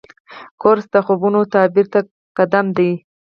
کورس د خوبونو تعبیر ته قدم دی.